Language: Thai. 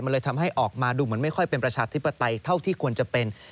มันเลยทำให้ออกมาดูเหมือนไม่ค่อยเป็นประชาธิปไตยเท่าที่ควรจะเป็น